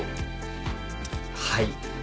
はい。